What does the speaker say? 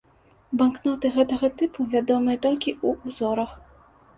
Банкноты гэтага тыпу вядомыя толькі ў узорах.